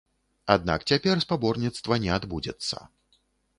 Аднак цяпер спаборніцтва не адбудзецца.